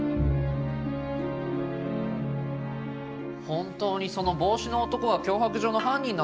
本当にその帽子の男が脅迫状の犯人なんですか？